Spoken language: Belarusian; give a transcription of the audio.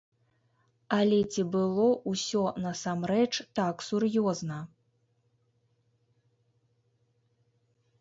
Але ці было ўсё насамрэч так сур'ёзна?